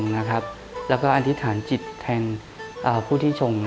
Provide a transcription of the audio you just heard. หรืออธิษฐานจิตแทนผู้ที่ชม